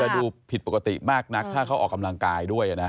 ดูผิดปกติมากนักถ้าเขาออกกำลังกายด้วยนะ